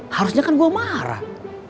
harusnya kan gue marah